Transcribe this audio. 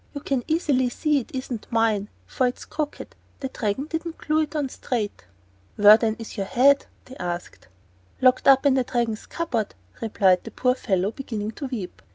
You can easily see it isn't mine, for it's crooked; the Dragon didn't glue it on straight." "Where, then, is your own head?" they asked. "Locked up in the Dragon's cupboard," replied the poor fellow, beginning to weep.